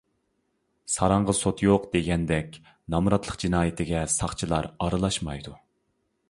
ساراڭغا سوت يوق دېگەندەك، نامراتلىق جىنايىتىگە ساقچىلار ئارىلاشمايدۇ.